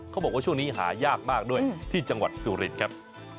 เขาบอกว่าช่วงนี้หายากมากด้วยที่จังหวัดสุรินทร์ครับ